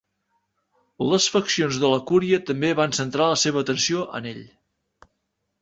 Les faccions de la Cúria també van centrar la seva atenció en ell.